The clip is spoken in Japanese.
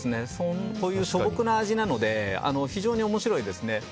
そういう素朴な味なので非常に面白いですね。